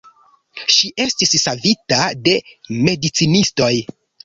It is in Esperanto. Ŝi estis savita de medicinistoj.